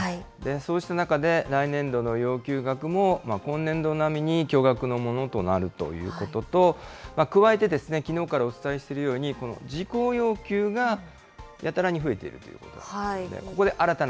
そうした中で、来年度の要求額も今年度並みに巨額のものとなるということと、加えて、きのうからお伝えしているように、この事項要求がやたらに増えているということなんですね。